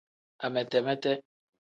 Amete-mete.